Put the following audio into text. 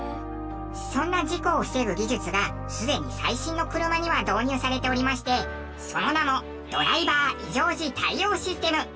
そんな事故を防ぐ技術がすでに最新の車には導入されておりましてその名もドライバー異常時対応システム。